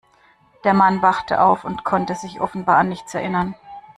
Der Mann wachte auf und konnte sich offenbar an nichts erinnern.